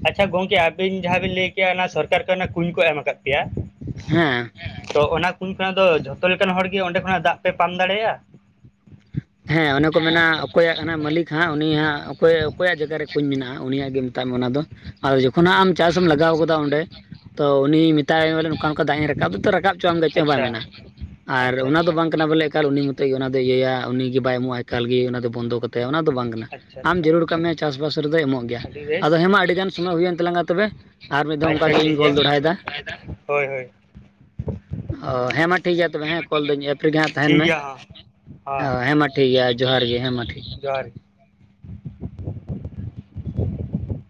ᱟᱪᱪᱷᱟ ᱜᱚᱝᱠᱮ ᱟᱹᱵᱤᱱ ᱡᱟᱦᱟᱸ ᱵᱤᱱ ᱞᱟᱹᱭ ᱠᱮᱜᱼᱟ ᱚᱱᱟ ᱥᱚᱨᱠᱟᱨ ᱠᱷᱚᱡ ᱠᱩᱧ ᱠᱚ ᱮᱢ ᱟᱠᱟᱫ ᱯᱮᱭᱟ, ᱦᱮᱸ, ᱛᱚ ᱚᱱᱟ ᱠᱩᱧ ᱠᱷᱚᱱᱟᱜ ᱫᱚ ᱡᱷᱚᱛᱚ ᱞᱮᱠᱟᱱ ᱦᱚᱲ ᱜᱮ ᱚᱸᱰᱮ ᱠᱷᱚᱱᱟᱜ ᱫᱟᱜ ᱯᱮ ᱯᱟᱢ ᱫᱟᱲᱮᱭᱟᱜᱼᱟ? ᱦᱮᱸ ᱚᱱᱮ ᱠᱚ ᱢᱮᱱᱟ ᱚᱠᱚᱭᱟᱜ ᱠᱟᱱᱟ ᱢᱟᱹᱞᱤᱠ ᱦᱮᱸ ᱩᱱᱤᱭ ᱦᱟᱸᱜ ᱚᱠᱚᱭ ᱚᱠᱚᱭᱟᱜ ᱡᱟᱭᱜᱟ ᱨᱮ ᱠᱩᱧ ᱢᱮᱱᱟᱜᱼᱟ ᱩᱱᱤᱭᱟᱜ ᱜᱮ ᱢᱮᱛᱟᱜ ᱢᱮ ᱚᱱᱟ ᱫᱚ᱾ ᱟᱨ ᱡᱚᱠᱷᱚᱱᱦᱟᱜ ᱟᱢ ᱪᱟᱥᱮᱢ ᱞᱟᱜᱟᱣ ᱟᱠᱟᱫᱟ ᱚᱸᱰᱮ ᱛᱚ ᱩᱱᱤ ᱢᱮᱛᱟᱭ ᱵᱚᱞᱮ ᱱᱚᱝᱠᱟ ᱱᱚᱝᱠᱟ ᱫᱟᱜ ᱤᱧ ᱨᱟᱠᱟᱵ ᱫᱚ ᱨᱟᱠᱟᱵ ᱪᱮᱫ ᱦᱚᱸ ᱵᱟᱭ ᱟᱪᱪᱷᱟ ᱢᱮᱱᱟ ᱟᱨ ᱟᱪᱪᱷᱟ ᱚᱱᱟ ᱫᱚ ᱟᱪᱪᱷᱟ ᱵᱟᱝ ᱠᱟᱱᱟ ᱵᱚᱞᱮ ᱮᱠᱟᱞ ᱩᱱᱤ ᱢᱚᱛᱚᱡ ᱚᱱᱟ ᱫᱚᱭ ᱤᱭᱟᱹᱭᱟ ᱩᱱᱤ ᱵᱟᱭ ᱮᱢᱚᱜᱼᱟ ᱮᱠᱟᱞ ᱜᱮ ᱚᱱᱟ ᱫᱚ ᱵᱚᱱᱫᱚ ᱠᱟᱛᱮ ᱚᱱᱟ ᱫᱚ ᱵᱟᱝ ᱠᱟᱱᱟ ᱟᱪᱪᱷᱟ ᱟᱢ ᱟᱪᱪᱷᱟ ᱡᱟᱹᱨᱩᱲ ᱠᱟᱜ ᱢᱮᱭᱟ ᱪᱟᱥᱵᱟᱥ ᱨᱮᱫᱚᱭ ᱮᱢᱚᱜ ᱜᱮᱭᱟ ᱟᱹᱰᱤ ᱵᱮᱥ ᱟᱫᱚ ᱦᱮᱸᱢᱟ ᱟᱹᱰᱤᱜᱟᱱ ᱥᱚᱢᱚᱭ ᱦᱩᱭᱮᱱ ᱛᱟᱞᱟᱝᱟ ᱛᱚᱵᱮ ᱟᱨ ᱢᱤᱫ ᱫᱷᱟᱣ ᱟᱪᱪᱷᱟ ᱚᱱᱠᱟᱜᱮ ᱤᱧ ᱴᱷᱤᱠ ᱜᱮᱭᱟ ᱠᱚᱞ ᱫᱚᱲᱦᱟᱭᱫᱟ᱾ ᱦᱳᱭ ᱦᱳᱭ ᱚ ᱦᱮᱸ ᱢᱟ ᱴᱷᱤᱠ ᱜᱮᱭᱟ ᱛᱚᱵᱮ ᱦᱮᱸ ᱠᱚᱞ ᱫᱟᱹᱧ ᱮᱯᱨᱤ ᱜᱮ ᱦᱟᱸᱜ ᱛᱟᱦᱮᱱ ᱴᱷᱤᱠ ᱢᱮ ᱜᱮᱭᱟ ᱦᱚᱸ ᱚ ᱦᱚᱸ ᱦᱮᱸ ᱢᱟ ᱴᱷᱤᱠ ᱾ ᱴᱷᱤᱠᱜᱮᱭᱟ ᱡᱚᱦᱟᱨ ᱜᱮ ᱦᱮᱸ ᱢᱟ ᱴᱷᱤᱠ ᱡᱚᱦᱟᱨ [unintelligible]